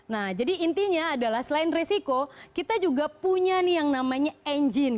nah jadi intinya adalah selain risiko kita juga punya nih yang namanya engine